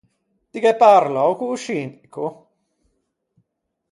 Ti gh’æ parlou co-o scindico?